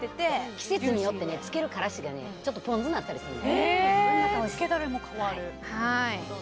季節によって、つけるからしがポン酢になったりするの。